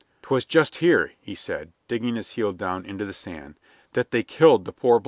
"'Twas just here," he said, digging his heel down into the sand, "that they killed the poor black man."